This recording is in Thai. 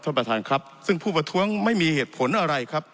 ท่านประธานครับซึ่งผู้ประท้วงไม่มีเหตุผลอะไรครับ